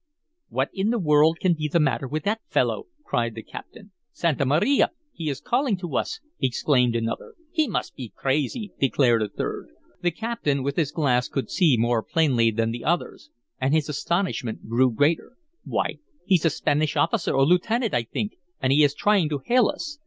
"What in the world can be the matter with that fellow?" cried the captain. "Santa Maria! he is calling to us!" exclaimed another. "He must be crazy," declared a third. The captain, with his glass could see more plainly than the others, and his astonishment grew greater. "Why, he's a Spanish officer a lieutenant, I think! And he is trying to hail us.